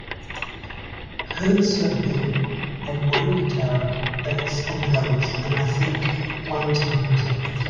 'Hurts So Good' had one guitar, bass, and drums, and I think one tambourine.